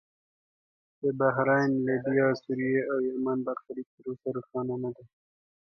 د بحرین، لیبیا، سوریې او یمن برخلیک تر اوسه روښانه نه دی.